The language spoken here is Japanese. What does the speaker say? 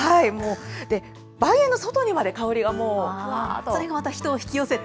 梅園の外にまで香りがもう、それがまた人を引き寄せて。